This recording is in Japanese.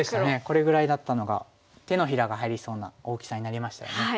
これぐらいだったのが手のひらが入りそうな大きさになりましたよね。